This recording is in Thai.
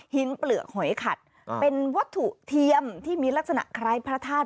เปลือกหอยขัดเป็นวัตถุเทียมที่มีลักษณะคล้ายพระธาตุ